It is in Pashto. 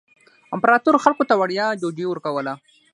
امپراتور خلکو ته وړیا ډوډۍ ورکوله.